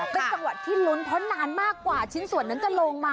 เป็นจังหวัดที่ลุ้นเพราะนานมากกว่าชิ้นส่วนนั้นจะลงมา